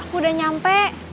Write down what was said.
aku udah nyampe